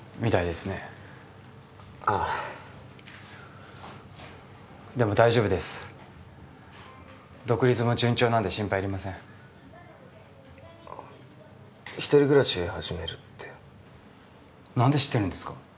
でも大丈夫です独立も順調なんで心配いりませんあっ一人暮らし始めるって何で知ってるんですか？